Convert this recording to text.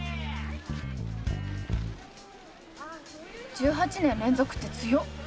１８年連続って強っ！